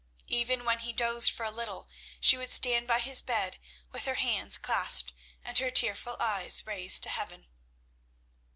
Even when he dozed for a little she would stand by his bed with her hands clasped and her tearful eyes raised to heaven.